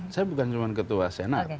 saya bukan cuma ketua senat